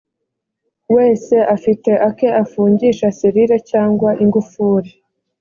wese afite ake afungisha serire cyangwa ingufuri